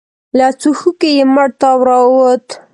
له څوښکي يې مړ تاو راووت.